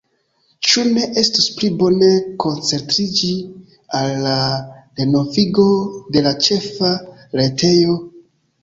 Ĉu ne estus pli bone koncentriĝi al la renovigo de la ĉefa retejo?